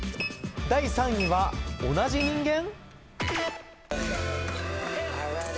第３位は、同じ人間？